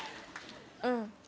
うん。